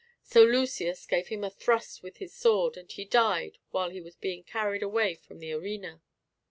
So Lucius gave him a thrust with his sword, and he died while he was being carried away from the arena.